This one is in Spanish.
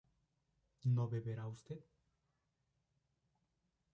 ¿no beberá usted?